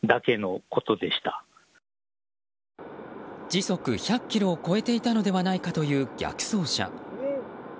時速１００キロを超えていたのではないかという逆走車。